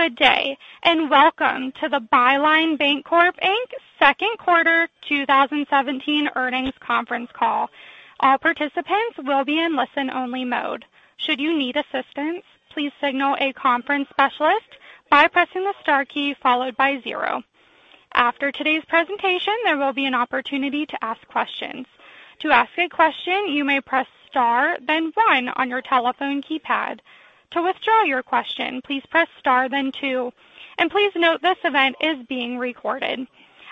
Good day, and welcome to the Byline Bancorp, Inc. second quarter 2017 earnings conference call. All participants will be in listen-only mode. Should you need assistance, please signal a conference specialist by pressing the star key followed by zero. After today's presentation, there will be an opportunity to ask questions. To ask a question, you may press star then one on your telephone keypad. To withdraw your question, please press star then two. Please note this event is being recorded.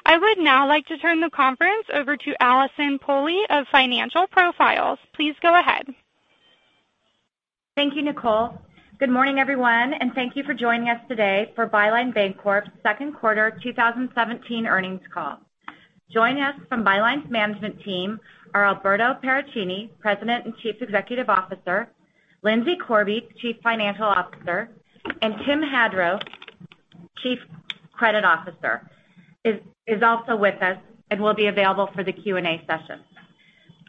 I would now like to turn the conference over to Allyson Pooley of Financial Profiles. Please go ahead. Thank you, Nicole. Good morning, everyone. Thank you for joining us today for Byline Bancorp's second quarter 2017 earnings call. Joining us from Byline's management team are Alberto Paracchini, President and Chief Executive Officer, Lindsay Corby, Chief Financial Officer, and Tim Hadro, Chief Credit Officer, is also with us and will be available for the Q&A session.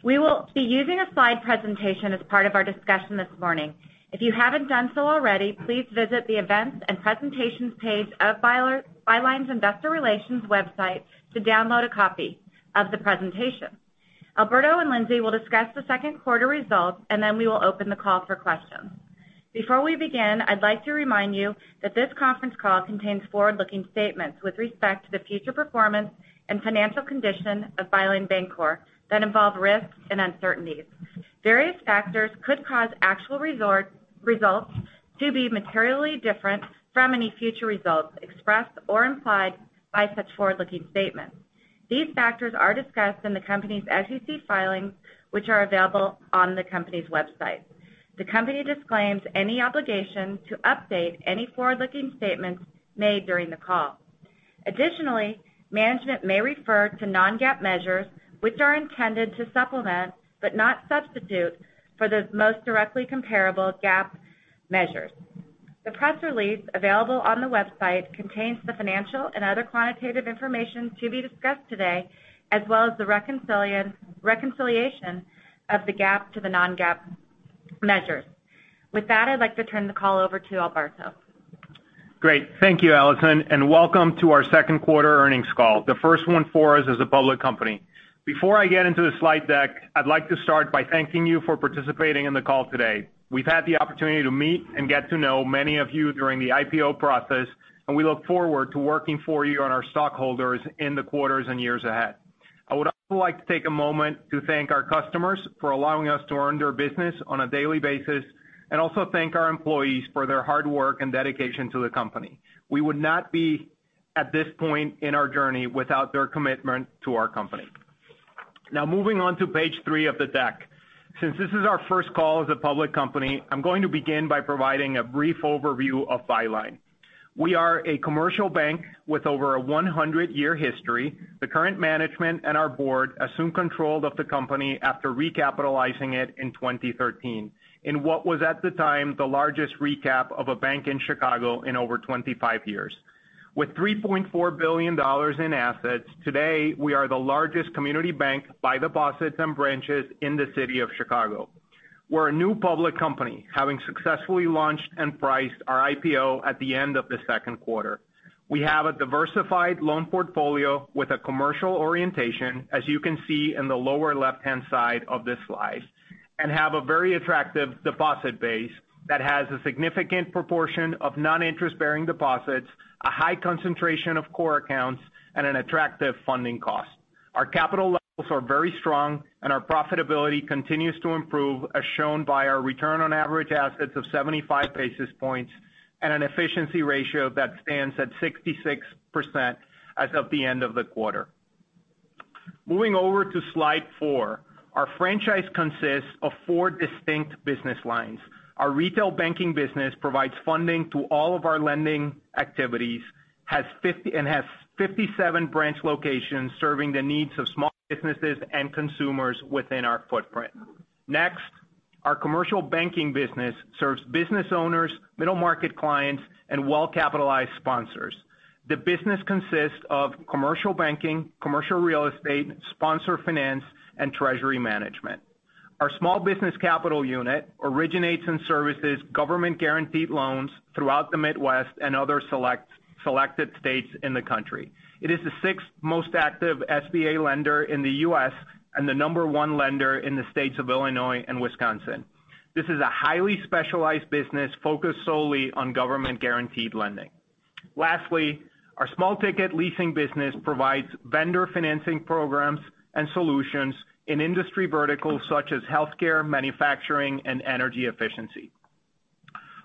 We will be using a slide presentation as part of our discussion this morning. If you haven't done so already, please visit the Events and Presentations page of Byline's Investor Relations website to download a copy of the presentation. Alberto and Lindsay will discuss the second quarter results. Then we will open the call for questions. Before we begin, I'd like to remind you that this conference call contains forward-looking statements with respect to the future performance and financial condition of Byline Bancorp that involve risks and uncertainties. Various factors could cause actual results to be materially different from any future results expressed or implied by such forward-looking statements. These factors are discussed in the company's SEC filings, which are available on the company's website. The company disclaims any obligation to update any forward-looking statements made during the call. Additionally, management may refer to non-GAAP measures, which are intended to supplement, but not substitute, for the most directly comparable GAAP measures. The press release available on the website contains the financial and other quantitative information to be discussed today, as well as the reconciliation of the GAAP to the non-GAAP measures. With that, I'd like to turn the call over to Alberto. Great. Thank you, Allyson. Welcome to our second quarter earnings call, the first one for us as a public company. Before I get into the slide deck, I'd like to start by thanking you for participating in the call today. We've had the opportunity to meet and get to know many of you during the IPO process. We look forward to working for you and our stockholders in the quarters and years ahead. I would also like to take a moment to thank our customers for allowing us to earn their business on a daily basis. Also thank our employees for their hard work and dedication to the company. We would not be at this point in our journey without their commitment to our company. Now, moving on to page three of the deck. Since this is our first call as a public company, I'm going to begin by providing a brief overview of Byline. We are a commercial bank with over a 100-year history. The current management and our board assumed control of the company after recapitalizing it in 2013, in what was at the time, the largest recap of a bank in Chicago in over 25 years. With $3.4 billion in assets, today we are the largest community bank by deposits and branches in the city of Chicago. We're a new public company, having successfully launched and priced our IPO at the end of the second quarter. We have a diversified loan portfolio with a commercial orientation, as you can see in the lower left-hand side of this slide, and have a very attractive deposit base that has a significant proportion of non-interest bearing deposits, a high concentration of core accounts, and an attractive funding cost. Our capital levels are very strong, and our profitability continues to improve, as shown by our return on average assets of 75 basis points and an efficiency ratio that stands at 66% as of the end of the quarter. Moving over to slide four. Our franchise consists of four distinct business lines. Our retail banking business provides funding to all of our lending activities and has 57 branch locations serving the needs of small businesses and consumers within our footprint. Our commercial banking business serves business owners, middle-market clients, and well-capitalized sponsors. The business consists of commercial banking, commercial real estate, sponsor finance, and treasury management. Our small business capital unit originates and services government-guaranteed loans throughout the Midwest and other selected states in the country. It is the sixth most active SBA lender in the U.S. and the number one lender in the states of Illinois and Wisconsin. This is a highly specialized business focused solely on government-guaranteed lending. Lastly, our small-ticket leasing business provides vendor financing programs and solutions in industry verticals such as healthcare, manufacturing, and energy efficiency.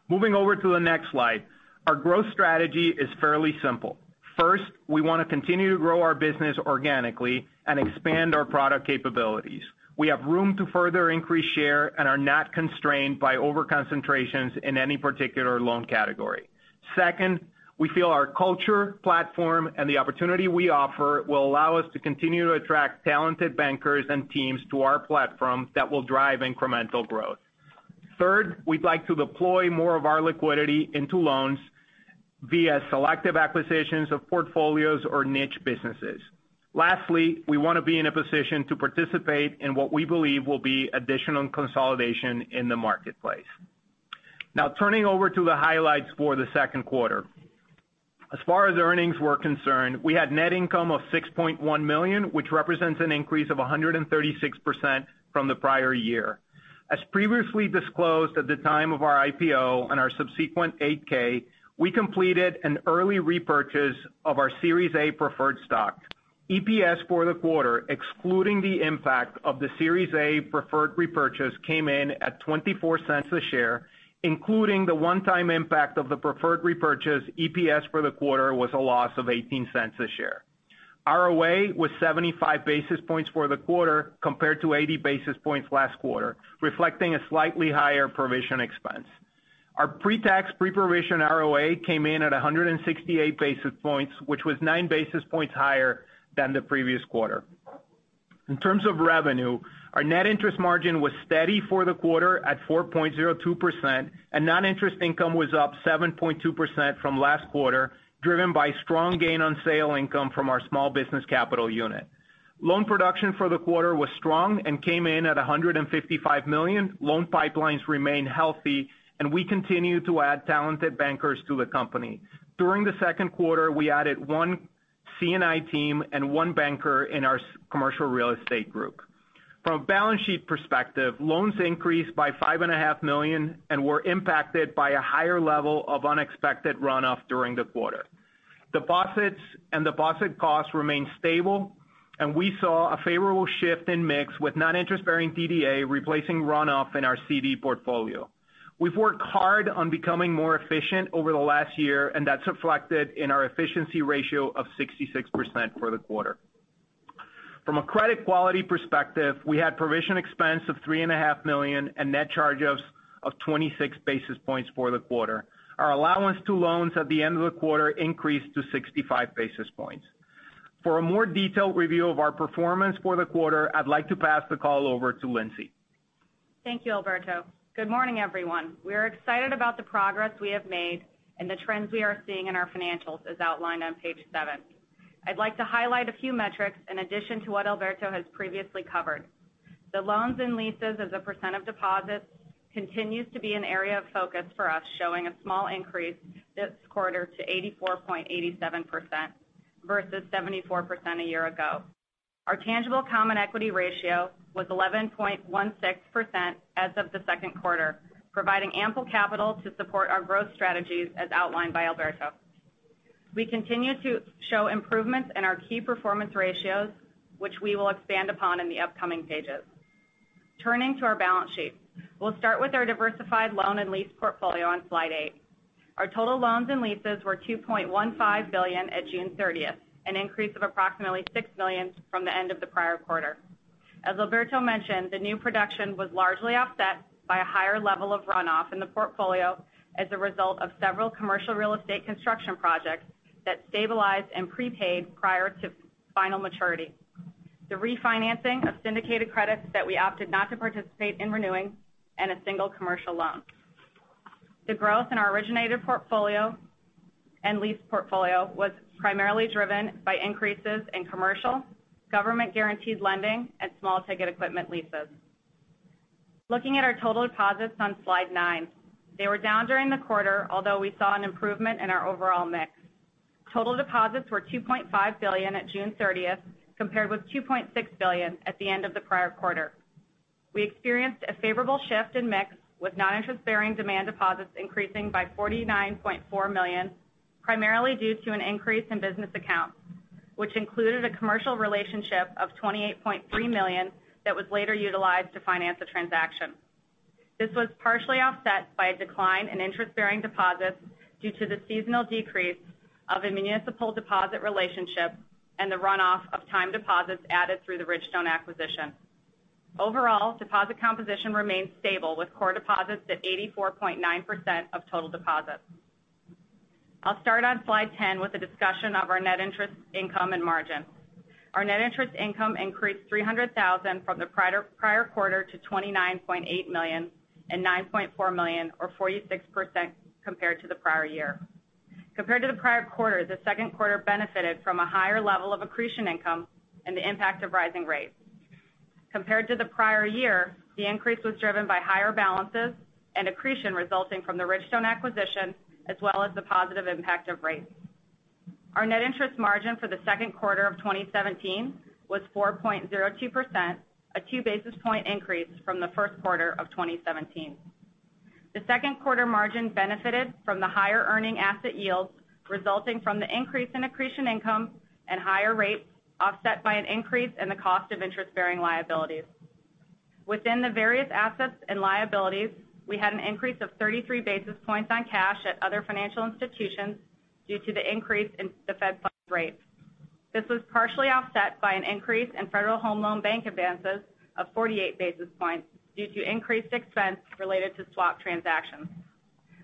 Moving over to the next slide. Our growth strategy is fairly simple. First, we want to continue to grow our business organically and expand our product capabilities. We have room to further increase share and are not constrained by overconcentrations in any particular loan category. Second, we feel our culture, platform, and the opportunity we offer will allow us to continue to attract talented bankers and teams to our platform that will drive incremental growth. Third, we'd like to deploy more of our liquidity into loans via selective acquisitions of portfolios or niche businesses. Lastly, we want to be in a position to participate in what we believe will be additional consolidation in the marketplace. Now turning over to the highlights for the second quarter. As far as earnings were concerned, we had net income of $6.1 million, which represents an increase of 136% from the prior year. As previously disclosed at the time of our IPO and our subsequent 8-K, we completed an early repurchase of our Series A preferred stock. EPS for the quarter, excluding the impact of the Series A preferred repurchase, came in at $0.24 a share, including the one-time impact of the preferred repurchase, EPS for the quarter was a loss of $0.18 a share. ROA was 75 basis points for the quarter compared to 80 basis points last quarter, reflecting a slightly higher provision expense. Our pre-tax pre-provision ROA came in at 168 basis points, which was nine basis points higher than the previous quarter. In terms of revenue, our net interest margin was steady for the quarter at 4.02%, and non-interest income was up 7.2% from last quarter, driven by strong gain on sale income from our small business capital unit. Loan production for the quarter was strong and came in at $155 million. Loan pipelines remain healthy, and we continue to add talented bankers to the company. During the second quarter, we added one C&I team and one banker in our commercial real estate group. From a balance sheet perspective, loans increased by $5.5 million and were impacted by a higher level of unexpected runoff during the quarter. Deposits and deposit costs remained stable, and we saw a favorable shift in mix with non-interest-bearing DDA replacing runoff in our CD portfolio. We've worked hard on becoming more efficient over the last year, and that's reflected in our efficiency ratio of 66% for the quarter. From a credit quality perspective, we had provision expense of $3.5 million and net charge-offs of 26 basis points for the quarter. Our allowance to loans at the end of the quarter increased to 65 basis points. For a more detailed review of our performance for the quarter, I'd like to pass the call over to Lindsay. Thank you, Alberto. Good morning, everyone. We are excited about the progress we have made and the trends we are seeing in our financials as outlined on page seven. I'd like to highlight a few metrics in addition to what Alberto has previously covered. The loans and leases as a percent of deposits continues to be an area of focus for us, showing a small increase this quarter to 84.87% versus 74% a year ago. Our tangible common equity ratio was 11.16% as of the second quarter, providing ample capital to support our growth strategies as outlined by Alberto. We continue to show improvements in our key performance ratios, which we will expand upon in the upcoming pages. Turning to our balance sheet. We'll start with our diversified loan and lease portfolio on slide eight. Our total loans and leases were $2.15 billion at June 30th, an increase of approximately $6 million from the end of the prior quarter. As Alberto mentioned, the new production was largely offset by a higher level of runoff in the portfolio as a result of several commercial real estate construction projects that stabilized and prepaid prior to final maturity. The refinancing of syndicated credits that we opted not to participate in renewing and a single commercial loan. The growth in our originator portfolio and lease portfolio was primarily driven by increases in commercial, government-guaranteed lending, and small ticket equipment leases. Looking at our total deposits on slide nine. They were down during the quarter, although we saw an improvement in our overall mix. Total deposits were $2.5 billion at June 30th, compared with $2.6 billion at the end of the prior quarter. We experienced a favorable shift in mix with non-interest-bearing demand deposits increasing by $49.4 million, primarily due to an increase in business accounts, which included a commercial relationship of $28.3 million that was later utilized to finance a transaction. This was partially offset by a decline in interest-bearing deposits due to the seasonal decrease of a municipal deposit relationship and the runoff of time deposits added through the Ridgestone acquisition. Overall, deposit composition remains stable, with core deposits at 84.9% of total deposits. I'll start on slide 10 with a discussion of our net interest income and margin. Our net interest income increased $300,000 from the prior quarter to $29.8 million and $9.4 million or 46% compared to the prior year. Compared to the prior quarter, the second quarter benefited from a higher level of accretion income and the impact of rising rates. Compared to the prior year, the increase was driven by higher balances and accretion resulting from the Ridgestone acquisition, as well as the positive impact of rates. Our net interest margin for the second quarter of 2017 was 4.02%, a two basis point increase from the first quarter of 2017. The second quarter margin benefited from the higher earning asset yields resulting from the increase in accretion income and higher rates offset by an increase in the cost of interest-bearing liabilities. Within the various assets and liabilities, we had an increase of 33 basis points on cash at other financial institutions due to the increase in the Fed funds rates. This was partially offset by an increase in Federal Home Loan Bank advances of 48 basis points due to increased expense related to swap transactions.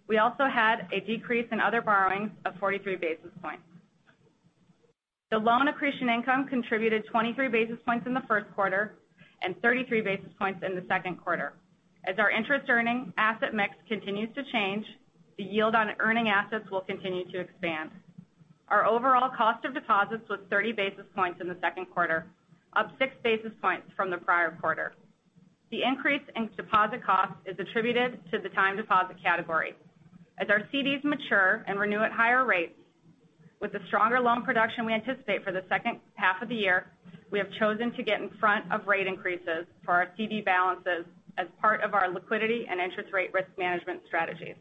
We also had a decrease in other borrowings of 43 basis points. The loan accretion income contributed 23 basis points in the first quarter and 33 basis points in the second quarter. As our interest earning asset mix continues to change, the yield on earning assets will continue to expand. Our overall cost of deposits was 30 basis points in the second quarter, up six basis points from the prior quarter. The increase in deposit cost is attributed to the time deposit category. As our CDs mature and renew at higher rates with the stronger loan production we anticipate for the second half of the year, we have chosen to get in front of rate increases for our CD balances as part of our liquidity and interest rate risk management strategies.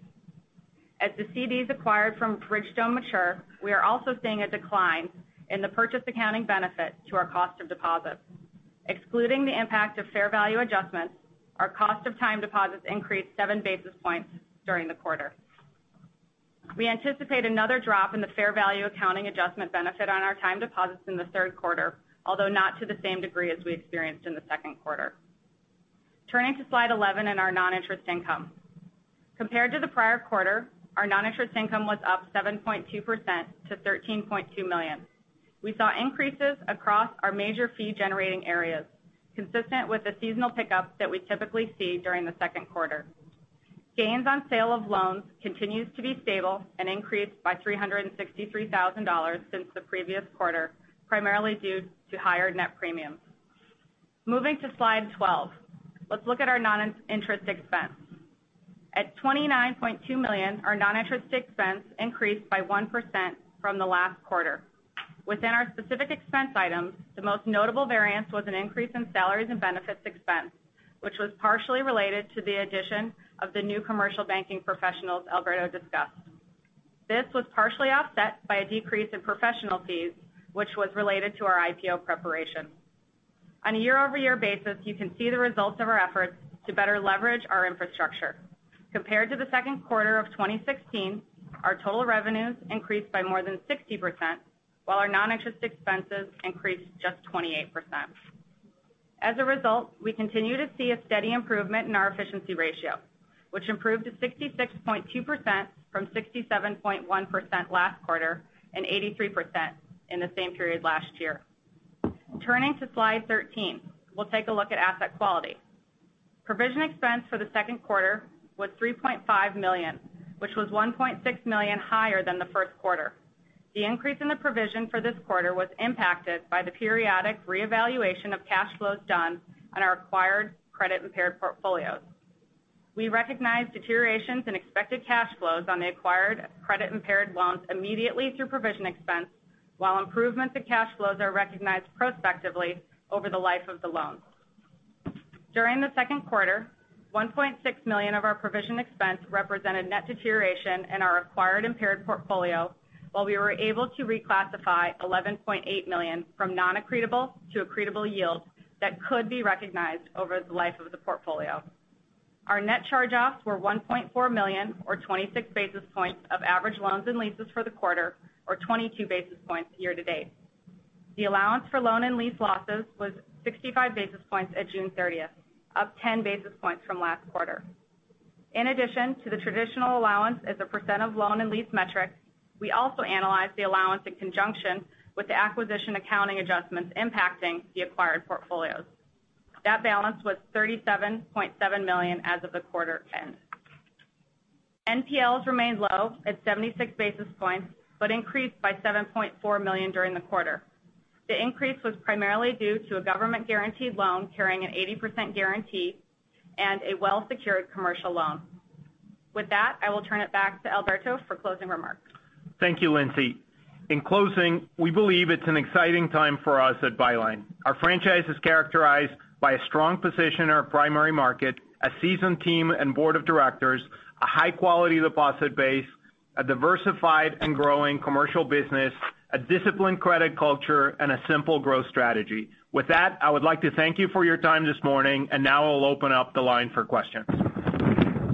As the CDs acquired from Ridgestone mature, we are also seeing a decline in the purchase accounting benefit to our cost of deposits. Excluding the impact of fair value adjustments, our cost of time deposits increased seven basis points during the quarter. We anticipate another drop in the fair value accounting adjustment benefit on our time deposits in the third quarter, although not to the same degree as we experienced in the second quarter. Turning to slide 11 and our non-interest income. Compared to the prior quarter, our non-interest income was up 7.2% to $13.2 million. We saw increases across our major fee-generating areas, consistent with the seasonal pickup that we typically see during the second quarter. Gains on sale of loans continues to be stable and increased by $363,000 since the previous quarter, primarily due to higher net premiums. Moving to slide 12, let's look at our non-interest expense. At $29.2 million, our non-interest expense increased by 1% from the last quarter. Within our specific expense items, the most notable variance was an increase in salaries and benefits expense, which was partially related to the addition of the new commercial banking professionals Alberto discussed. This was partially offset by a decrease in professional fees, which was related to our IPO preparation. On a year-over-year basis, you can see the results of our efforts to better leverage our infrastructure. Compared to the second quarter of 2016, our total revenues increased by more than 60%, while our non-interest expenses increased just 28%. As a result, we continue to see a steady improvement in our efficiency ratio, which improved to 66.2% from 67.1% last quarter and 83% in the same period last year. Turning to slide 13, we'll take a look at asset quality. Provision expense for the second quarter was $3.5 million, which was $1.6 million higher than the first quarter. The increase in the provision for this quarter was impacted by the periodic reevaluation of cash flows done on our acquired credit-impaired portfolios. We recognized deteriorations in expected cash flows on the acquired credit-impaired loans immediately through provision expense, while improvements in cash flows are recognized prospectively over the life of the loan. During the second quarter, $1.6 million of our provision expense represented net deterioration in our acquired impaired portfolio while we were able to reclassify $11.8 million from non-accretable to accretable yields that could be recognized over the life of the portfolio. Our net charge-offs were $1.4 million, or 26 basis points of average loans and leases for the quarter, or 22 basis points year to date. The allowance for loan and lease losses was 65 basis points at June 30th, up 10 basis points from last quarter. In addition to the traditional allowance as a percent of loan and lease metric, we also analyzed the allowance in conjunction with the acquisition accounting adjustments impacting the acquired portfolios. That balance was $37.7 million as of the quarter end. NPLs remained low at 76 basis points, but increased by $7.4 million during the quarter. The increase was primarily due to a government-guaranteed loan carrying an 80% guarantee and a well-secured commercial loan. I will turn it back to Alberto for closing remarks. Thank you, Lindsay. We believe it's an exciting time for us at Byline. Our franchise is characterized by a strong position in our primary market, a seasoned team and board of directors, a high-quality deposit base, a diversified and growing commercial business, a disciplined credit culture, and a simple growth strategy. I would like to thank you for your time this morning, and now I'll open up the line for questions.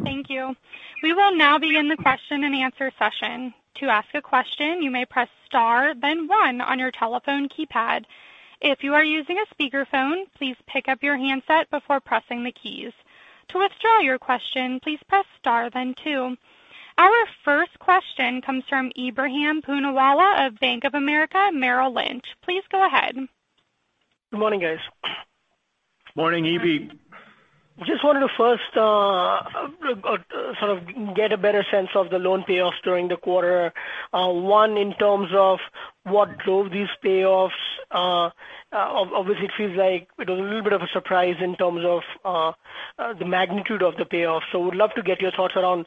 Thank you. We will now begin the question-and-answer session. To ask a question, you may press star then one on your telephone keypad. If you are using a speakerphone, please pick up your handset before pressing the keys. To withdraw your question, please press star then two. Our first question comes from Ebrahim Poonawala of Bank of America, Merrill Lynch. Please go ahead. Good morning, guys. Morning, Ibi. Just wanted to first sort of get a better sense of the loan payoffs during the quarter. One, in terms of what drove these payoffs. Obviously, it feels like it was a little bit of a surprise in terms of the magnitude of the payoffs. Would love to get your thoughts around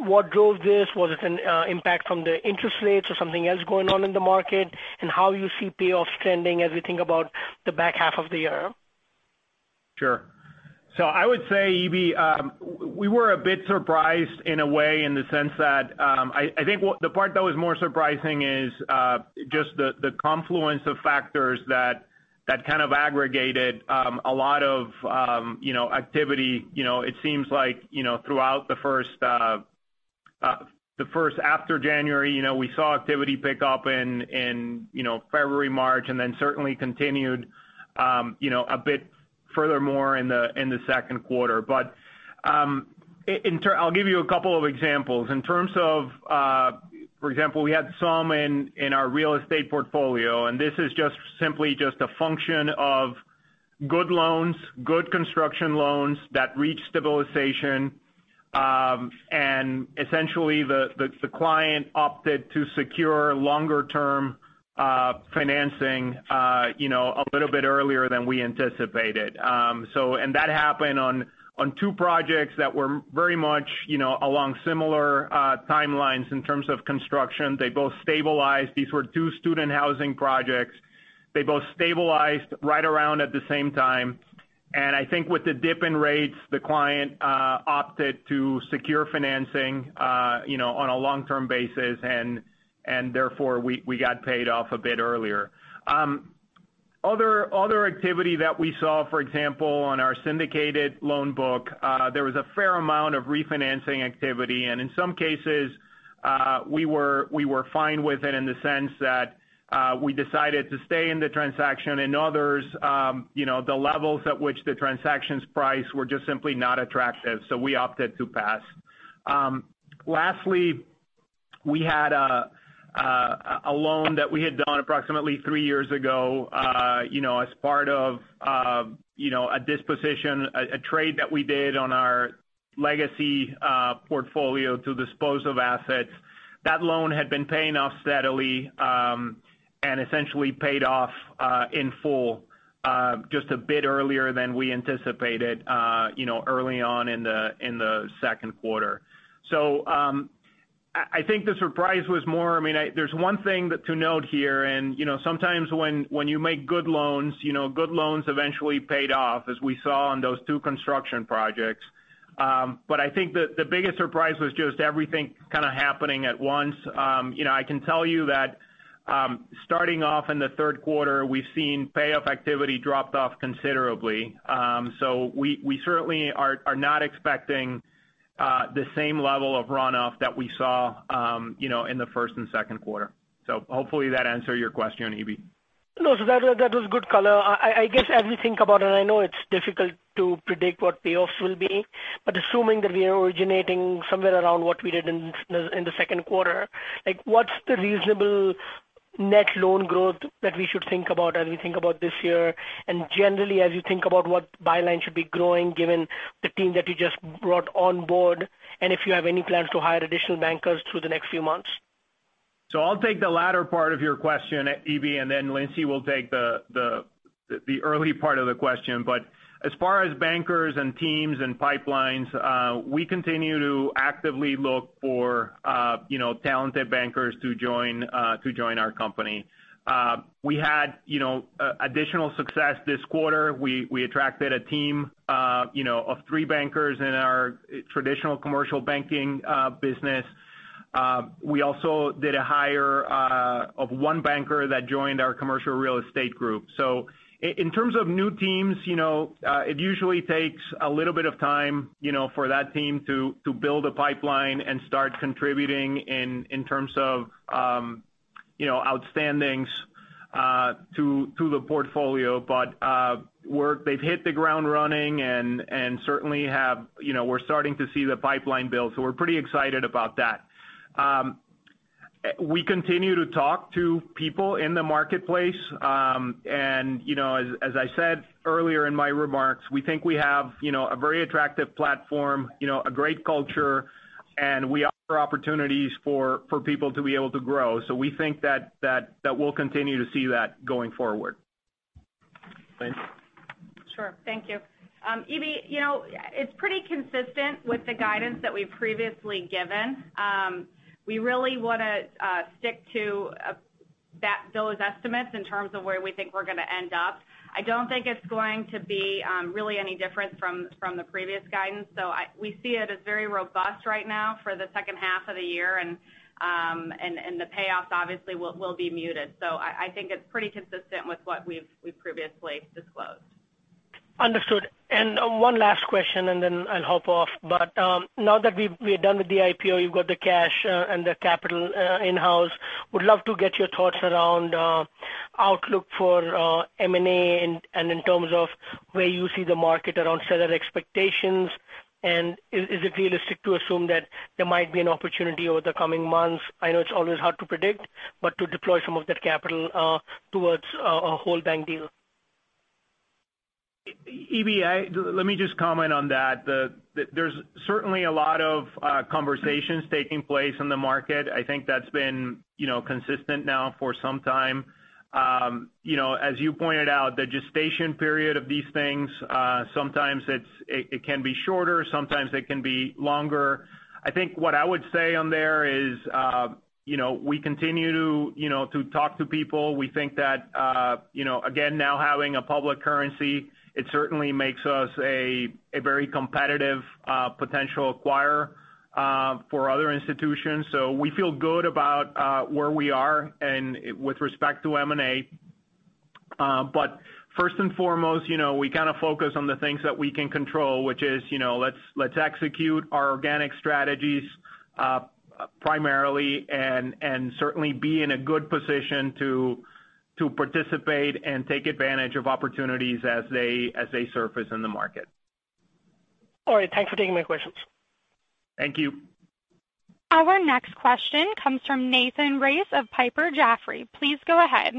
what drove this. Was it an impact from the interest rates or something else going on in the market? How you see payoffs trending as we think about the back half of the year. Sure. I would say, Ebi, we were a bit surprised in a way, in the sense that I think the part that was more surprising is just the confluence of factors that kind of aggregated a lot of activity. It seems like throughout the first after January, we saw activity pick up in February, March, and then certainly continued a bit furthermore in the second quarter. I'll give you a couple of examples. For example, we had some in our real estate portfolio, and this is simply just a function of good loans, good construction loans that reached stabilization. And essentially the client opted to secure longer-term financing a little bit earlier than we anticipated. And that happened on two projects that were very much along similar timelines in terms of construction. They both stabilized. These were two student housing projects. They both stabilized right around at the same time. I think with the dip in rates, the client opted to secure financing on a long-term basis and therefore we got paid off a bit earlier. Other activity that we saw, for example, on our syndicated loan book there was a fair amount of refinancing activity and in some cases we were fine with it in the sense that we decided to stay in the transaction. In others the levels at which the transactions priced were just simply not attractive, we opted to pass. Lastly, we had a loan that we had done approximately three years ago as part of a disposition, a trade that we did on our legacy portfolio to dispose of assets. That loan had been paying off steadily and essentially paid off in full just a bit earlier than we anticipated early on in the second quarter. I think the surprise was more there's one thing to note here, sometimes when you make good loans, good loans eventually paid off, as we saw on those two construction projects. I think the biggest surprise was just everything kind of happening at once. I can tell you that starting off in the third quarter, we've seen payoff activity dropped off considerably. We certainly are not expecting the same level of runoff that we saw in the first and second quarter. Hopefully that answer your question, Ebi. No. That was good color. I guess as we think about it, I know it's difficult to predict what payoffs will be, assuming that we are originating somewhere around what we did in the second quarter, what's the reasonable net loan growth that we should think about as we think about this year? Generally, as you think about what Byline should be growing, given the team that you just brought on board. If you have any plans to hire additional bankers through the next few months. I'll take the latter part of your question, Ebi, and then Lindsay will take the early part of the question. As far as bankers and teams and pipelines we continue to actively look for talented bankers to join our company. We had additional success this quarter. We attracted a team of three bankers in our traditional commercial banking business. We also did a hire of one banker that joined our commercial real estate group. In terms of new teams it usually takes a little bit of time for that team to build a pipeline and start contributing in terms of outstandings to the portfolio. They've hit the ground running and certainly we're starting to see the pipeline build. We're pretty excited about that. We continue to talk to people in the marketplace. As I said earlier in my remarks, we think we have a very attractive platform, a great culture, and we offer opportunities for people to be able to grow. We think that we'll continue to see that going forward. Lindsay? Sure. Thank you. Ebi, it's pretty consistent with the guidance that we've previously given. We really want to stick to those estimates in terms of where we think we're going to end up. I don't think it's going to be really any different from the previous guidance. We see it as very robust right now for the second half of the year. The payoffs obviously will be muted. I think it's pretty consistent with what we've previously disclosed. Understood. One last question and then I'll hop off. Now that we're done with the IPO, you've got the cash and the capital in-house. Would love to get your thoughts around outlook for M&A and in terms of where you see the market around seller expectations. Is it realistic to assume that there might be an opportunity over the coming months? I know it's always hard to predict, to deploy some of that capital towards a whole bank deal. Ebi, let me just comment on that. There's certainly a lot of conversations taking place in the market. I think that's been consistent now for some time. As you pointed out, the gestation period of these things sometimes it can be shorter, sometimes it can be longer. I think what I would say on there is we continue to talk to people. We think that again, now having a public currency, it certainly makes us a very competitive potential acquirer for other institutions. We feel good about where we are and with respect to M&A. First and foremost, we kind of focus on the things that we can control, which is let's execute our organic strategies primarily and certainly be in a good position to participate and take advantage of opportunities as they surface in the market. All right. Thanks for taking my questions. Thank you. Our next question comes from Nathan Race of Piper Sandler. Please go ahead.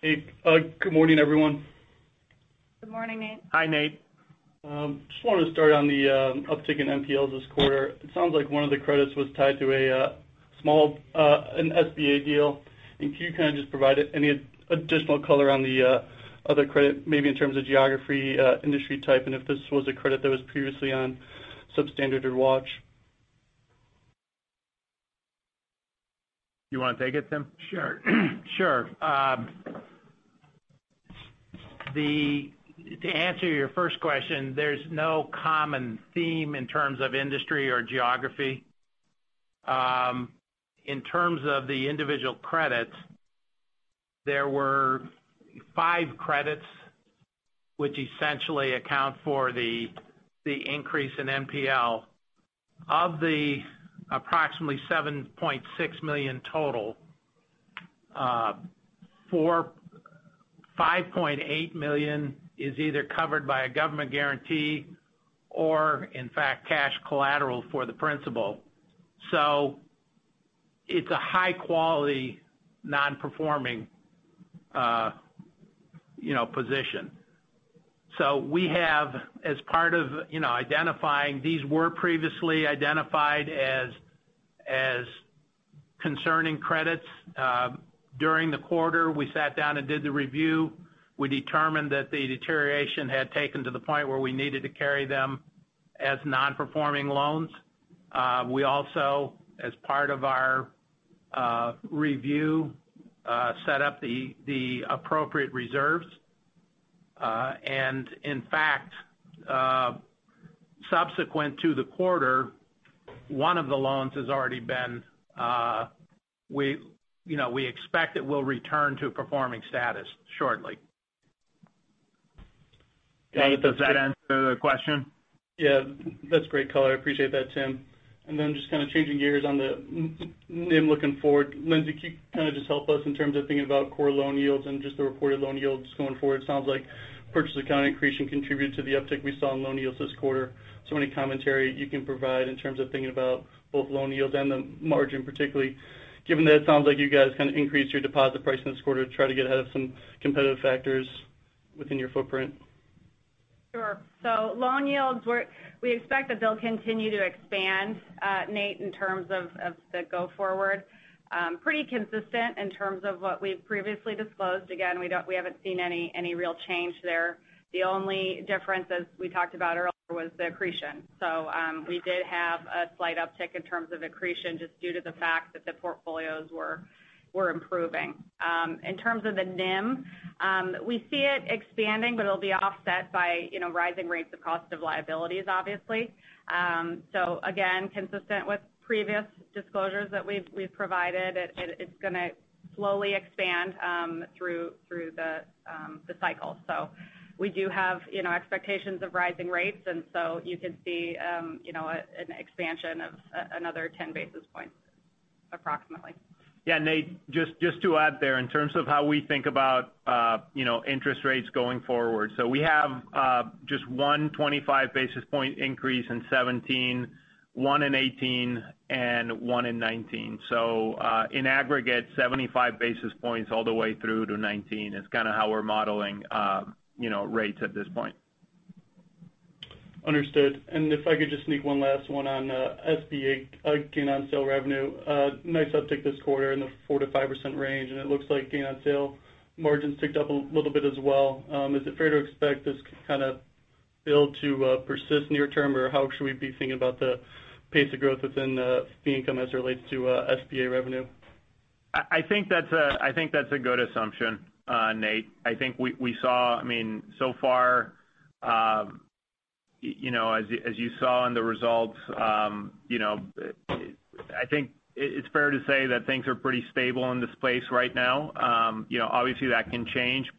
Hey. Good morning, everyone. Good morning, Nate. Hi, Nate. Just wanted to start on the uptick in NPLs this quarter. It sounds like one of the credits was tied to a small SBA deal. Can you kind of just provide any additional color on the other credit, maybe in terms of geography, industry type, and if this was a credit that was previously on substandard or watch? You want to take it, Tim? Sure. To answer your first question, there's no common theme in terms of industry or geography. In terms of the individual credits, there were five credits, which essentially account for the increase in NPL. Of the approximately $7.6 million total, $5.8 million is either covered by a government guarantee or, in fact, cash collateral for the principal. It's a high-quality non-performing position. We have, as part of identifying these were previously identified as concerning credits. During the quarter, we sat down and did the review. We determined that the deterioration had taken to the point where we needed to carry them as non-performing loans. We also, as part of our review set up the appropriate reserves. In fact, subsequent to the quarter, one of the loans has already been. We expect it will return to performing status shortly. Nate, does that answer the question? Yeah. That's great color. I appreciate that, Tim. Then just kind of changing gears on the NIM looking forward. Lindsay, can you kind of just help us in terms of thinking about core loan yields and just the reported loan yields going forward? It sounds like purchase accounting accretion contributed to the uptick we saw in loan yields this quarter. Any commentary you can provide in terms of thinking about both loan yields and the margin particularly, given that it sounds like you guys kind of increased your deposit price this quarter to try to get ahead of some competitive factors within your footprint. Sure. Loan yields, we expect that they'll continue to expand, Nate, in terms of the go forward. Pretty consistent in terms of what we've previously disclosed. Again, we haven't seen any real change there. The only difference, as we talked about earlier, was the accretion. We did have a slight uptick in terms of accretion just due to the fact that the portfolios were improving. In terms of the NIM, we see it expanding, but it will be offset by rising rates of cost of liabilities, obviously. Again, consistent with previous disclosures that we've provided, it's going to slowly expand through the cycle. We do have expectations of rising rates, you can see an expansion of another 10 basis points approximately. Nate, just to add there in terms of how we think about interest rates going forward. We have just one 25 basis point increase in 2017, one in 2018, and one in 2019. In aggregate, 75 basis points all the way through to 2019 is kind of how we're modeling rates at this point. Understood. If I could just sneak one last one on SBA gain on sale revenue. Nice uptick this quarter in the 4%-5% range, and it looks like gain on sale margins ticked up a little bit as well. Is it fair to expect this kind of build to persist near term, or how should we be thinking about the pace of growth within fee income as it relates to SBA revenue? I think that's a good assumption, Nate. So far, as you saw in the results, I think it's fair to say that things are pretty stable in this place right now. Obviously, that can change,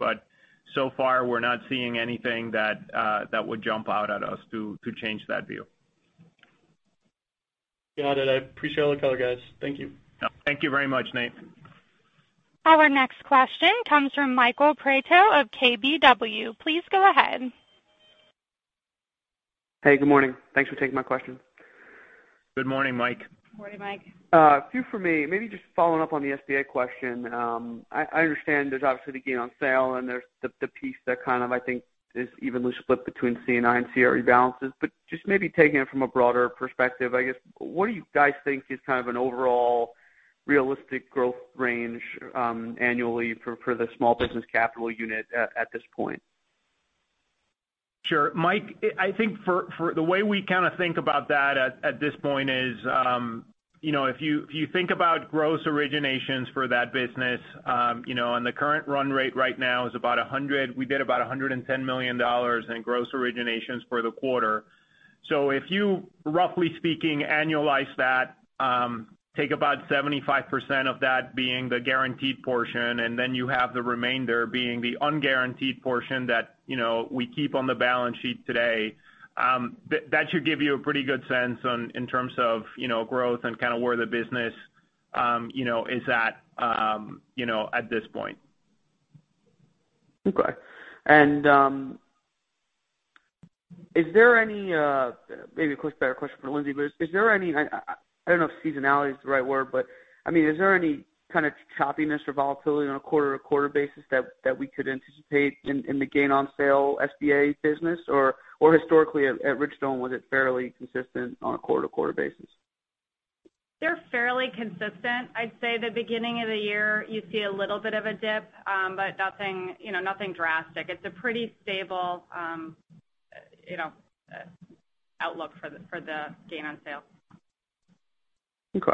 so far we're not seeing anything that would jump out at us to change that view. Got it. I appreciate all the color, guys. Thank you. Thank you very much, Nate. Our next question comes from Michael Perito of KBW. Please go ahead. Hey, good morning. Thanks for taking my question. Good morning, Mike. Morning, Mike. A few for me. Maybe just following up on the SBA question. I understand there's obviously the gain on sale and there's the piece that kind of, I think is even loosely split between C&I and CRE balances. Just maybe taking it from a broader perspective, I guess, what do you guys think is kind of an overall realistic growth range annually for the small business capital unit at this point? Sure. Mike, I think the way we kind of think about that at this point is, if you think about gross originations for that business, the current run rate right now is about 100. We did about $110 million in gross originations for the quarter. If you, roughly speaking, annualize that, take about 75% of that being the guaranteed portion, and then you have the remainder being the unguaranteed portion that we keep on the balance sheet today. That should give you a pretty good sense in terms of growth and kind of where the business is at this point. Okay. Is there any, maybe of course a better question for Lindsay, but is there any, I don't know if seasonality is the right word, but is there any kind of choppiness or volatility on a quarter-to-quarter basis that we could anticipate in the gain on sale SBA business or historically at Ridgestone, was it fairly consistent on a quarter-to-quarter basis? They're fairly consistent. I'd say the beginning of the year, you see a little bit of a dip, but nothing drastic. It's a pretty stable outlook for the gain on sale. Okay.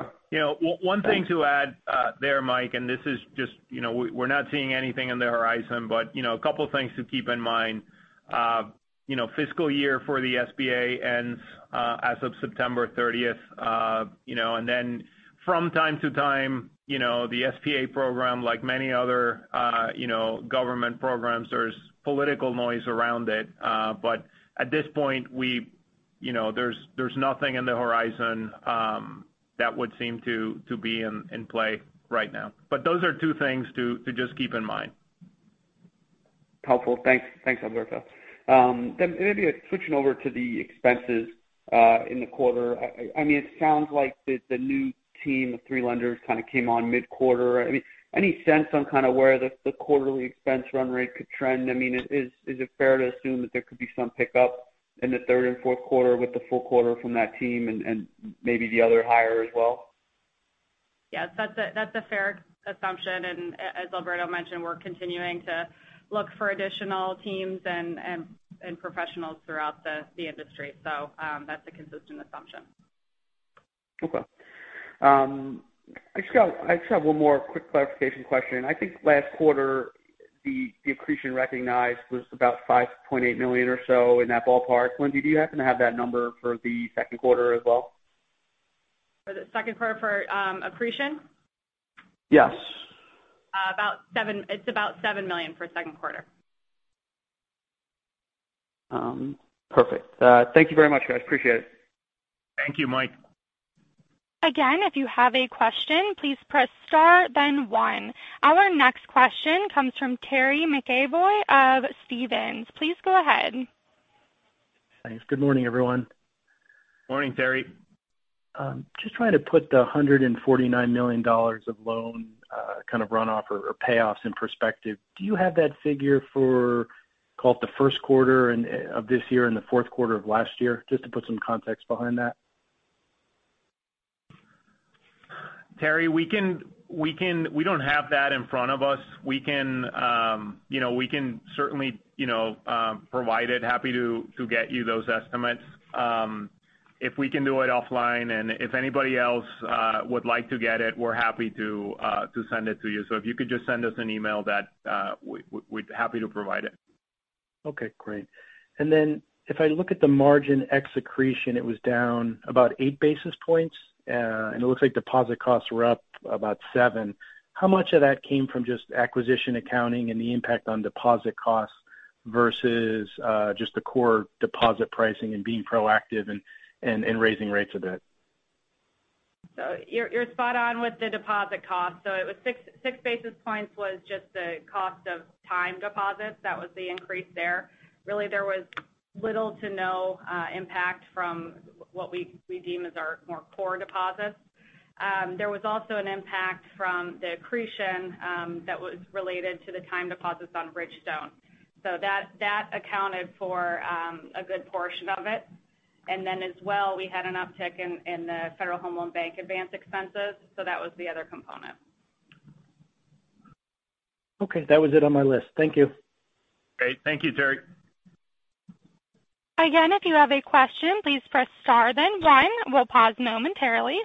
One thing to add there, Mike, and this is just we're not seeing anything in the horizon, but a couple of things to keep in mind. Fiscal year for the SBA ends as of September 30th. From time to time, the SBA program, like many other government programs, there's political noise around it. At this point, there's nothing in the horizon that would seem to be in play right now. Those are two things to just keep in mind. Helpful. Thanks, Alberto. Maybe switching over to the expenses in the quarter. It sounds like the new team of three lenders kind of came on mid-quarter. Any sense on where the quarterly expense run rate could trend? Is it fair to assume that there could be some pickup in the third and fourth quarter with the full quarter from that team and maybe the other hire as well? Yes, that's a fair assumption, and as Alberto mentioned, we're continuing to look for additional teams and professionals throughout the industry. That's a consistent assumption. Okay. I just have one more quick clarification question. I think last quarter, the accretion recognized was about $5.8 million or so, in that ballpark. Lindsay, do you happen to have that number for the second quarter as well? For the second quarter for accretion? Yes. It's about $7 million for second quarter. Perfect. Thank you very much, guys. Appreciate it. Thank you, Mike. Again, if you have a question, please press star then one. Our next question comes from Terry McEvoy of Stephens. Please go ahead. Thanks. Good morning, everyone. Morning, Terry. Just trying to put the $149 million of loan kind of run-off or payoffs in perspective. Do you have that figure for call it the first quarter of this year and the fourth quarter of last year, just to put some context behind that? Terry, we don't have that in front of us. We can certainly provide it. Happy to get you those estimates. If we can do it offline and if anybody else would like to get it, we're happy to send it to you. If you could just send us an email that, we'd happy to provide it. Okay, great. If I look at the margin ex accretion, it was down about eight basis points. It looks like deposit costs were up about seven. How much of that came from just acquisition accounting and the impact on deposit costs versus just the core deposit pricing and being proactive and raising rates a bit? You're spot on with the deposit cost. It was six basis points was just the cost of time deposits. That was the increase there. Really, there was little to no impact from what we deem as our more core deposits. There was also an impact from the accretion that was related to the time deposits on Ridgestone. That accounted for a good portion of it. As well, we had an uptick in the Federal Home Loan Bank advance expenses. That was the other component. Okay. That was it on my list. Thank you. Great. Thank you, Terry. If you have a question, please press star then one. We'll pause momentarily.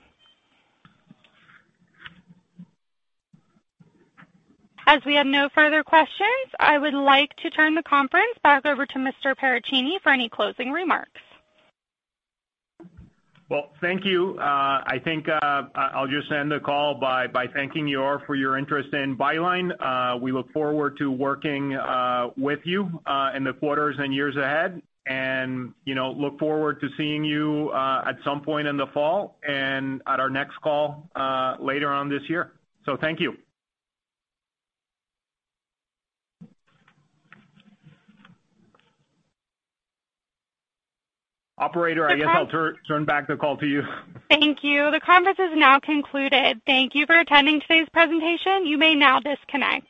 As we have no further questions, I would like to turn the conference back over to Mr. Paracchini for any closing remarks. Well, thank you. I think I'll just end the call by thanking you all for your interest in Byline. We look forward to working with you in the quarters and years ahead and look forward to seeing you at some point in the fall and at our next call later on this year. Thank you. Operator, I guess I'll turn back the call to you. Thank you. The conference is now concluded. Thank you for attending today's presentation. You may now disconnect.